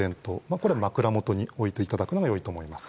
これは枕元に置いていただくのが良いと思います。